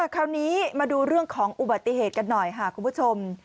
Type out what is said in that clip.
คราวนี้มาดูเรื่องของอุบัติเหตุกันหน่อยค่ะคุณผู้ชม